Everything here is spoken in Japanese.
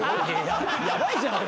ヤバいじゃん俺。